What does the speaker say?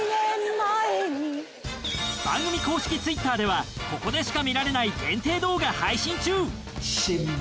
番組公式Ｔｗｉｔｔｅｒではここでしか見られない限定動画配信中。